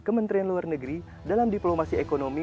kementerian luar negeri dalam diplomasi ekonomi